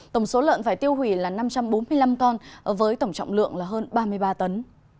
tổng số lợn phải tiêu hủy là năm trăm bốn mươi năm con với tổng trọng lượng là hơn ba mươi ba tấn